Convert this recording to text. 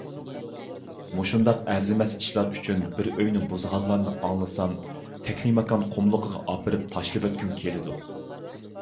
مۇشۇنداق ئەرزىمەس ئىشلار ئۈچۈن بىر ئۆينى بۇزغانلارنى ئاڭلىسام، تەكلىماكان قۇملۇقىغا ئاپىرىپ تاشلىۋەتكۈم كېلىدۇ.